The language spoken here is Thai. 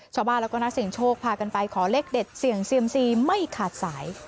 ชาวบ้านแล้วก็นักเสียงโชคพากันไปขอเลขเด็ดเสี่ยงเซียมซีไม่ขาดสาย